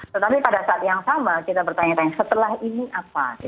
tetapi pada saat yang sama kita bertanya tanya setelah ini apa